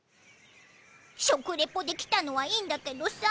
食レポで来たのはいいんだけどさ